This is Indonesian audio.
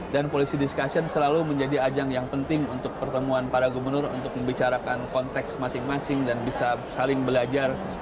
dan polisi discussion selalu menjadi ajang yang penting untuk pertemuan para gubernur untuk membicarakan konteks masing masing dan bisa saling belajar